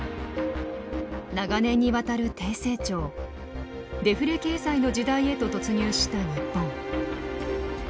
長年にわたる低成長デフレ経済の時代へと突入した日本。